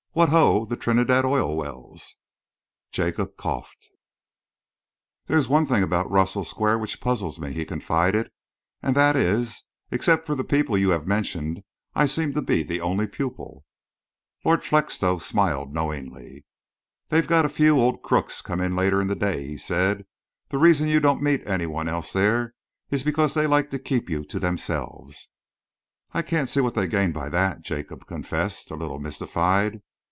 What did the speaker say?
What ho the Trinidad Oil Wells!" Jacob coughed. "There is one thing about Russell Square which puzzles me," he confided, "and that is, except for the people you have mentioned, I seem to be the only pupil." Lord Felixstowe smiled knowingly. "They've got a few old crooks come later in the day," he said. "The reason you don't meet any one else there is because they like to keep you to themselves." "I can't see what they gain by that," Jacob confessed, a little mystified.